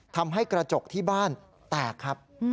ทำให้กระจกที่บ้านแตกครับ